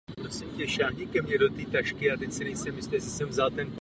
Tato bitva ještě není vyhraná.